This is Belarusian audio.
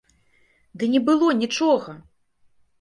Ды не было нічога!